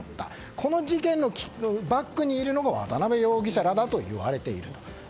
この事件のバックにいるのも渡辺容疑者らだといわれていると。